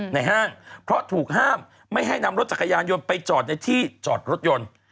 ห้างเพราะถูกห้ามไม่ให้นำรถจักรยานยนต์ไปจอดในที่จอดรถยนต์